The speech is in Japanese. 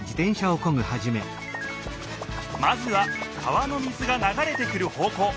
まずは川の水がながれてくる方こう。